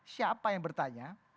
siapa yang bertanya